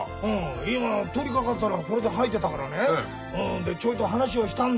今通りかかったらこれで掃いてたからねちょいと話をしたんだよ